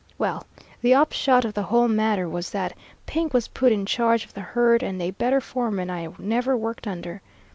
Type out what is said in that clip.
Well, the upshot of the whole matter was that Pink was put in charge of the herd, and a better foreman I never worked under.